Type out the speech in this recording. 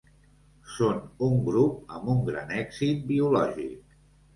Són un grup amb un gran èxit biològic.